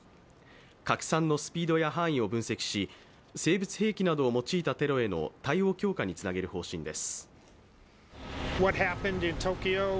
拡散のスピードや範囲を分析し、生物兵器などを用いたテロへの対策強化につなげる方針です。